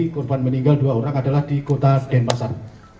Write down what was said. korban meninggal dua orang adalah di kota denpasar